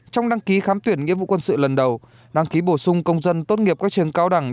trong đăng ký khám tuyển nghĩa vụ quân sự lần đầu đăng ký bổ sung công dân tốt nghiệp các trường cao đẳng